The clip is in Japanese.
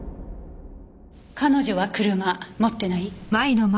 彼女は車持ってない？